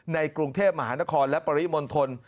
ในกรุงเทพมหานครและปริมณฑล